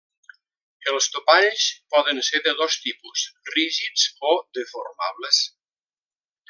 Els topalls poden ser de dos tipus: rígids o deformables.